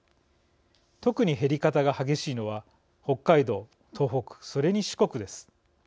特に減り方が激しいのは北海道、東北、それに四国です。